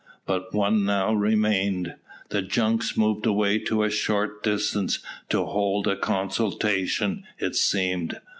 But one now remained. The junks moved away to a short distance, to hold a consultation, it seemed.